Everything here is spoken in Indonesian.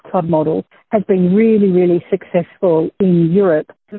sangat berjaya di eropa